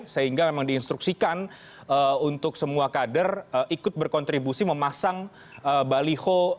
sehingga memang diinstruksikan untuk semua kader ikut berkontribusi memasang baliho